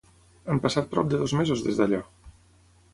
Han passat prop de dos mesos des d'allò.